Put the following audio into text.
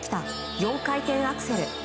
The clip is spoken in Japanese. ４回転アクセル。